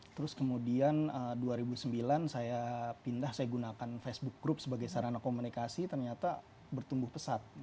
terus kemudian dua ribu sembilan saya pindah saya gunakan facebook group sebagai sarana komunikasi ternyata bertumbuh pesat